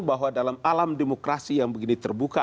bahwa dalam alam demokrasi yang begini terbuka